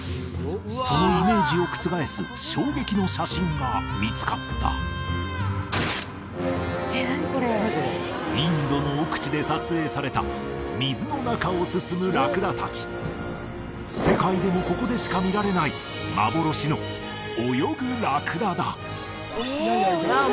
そのイメージを覆す衝撃の写真が見つかったインドの奥地で撮影された水の中を進むラクダ達世界でもここでしか見られないえ泳ぐんだわあ